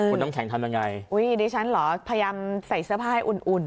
คุณน้ำแข็งทำยังไงอุ้ยดิฉันเหรอพยายามใส่เสื้อผ้าให้อุ่นอุ่น